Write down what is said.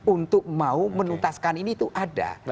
untuk mau menuntaskan ini itu ada